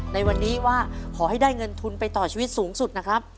ในวันนี้ว่าขอให้ได้เงินทุนไปต่อชีวิตสูงสุดนะครับ